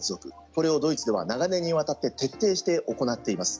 これをドイツでは長年にわたって徹底して行っています。